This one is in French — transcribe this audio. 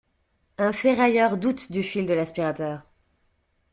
Un ferrailleur doute du fil de l'aspirateur!